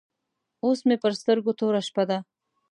اوس مې پر سترګو توره شپه ده.